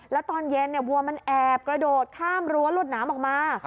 แล้วตอนเย็นวัวมันแอบกระโดดข้ามรั้วรวดหนามออกมา